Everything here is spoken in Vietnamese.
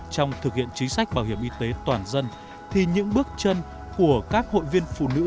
trong thực hiện chính sách bảo hiểm y tế toàn dân thì những bước chân của các hội viên phụ nữ